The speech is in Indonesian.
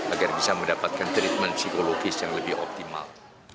agar bisa mendapatkan treatment psikologis yang lebih optimal